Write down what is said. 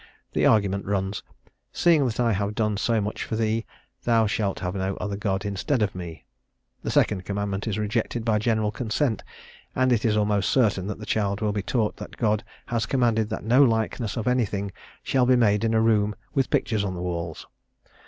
The argument runs: "Seeing that I have done so much for thee, thou shalt have no other God instead of me." The second commandment is rejected by general consent, and it is almost certain that the child will be taught that God has commanded that no likeness of anything shall be made in a room with pictures on the walls.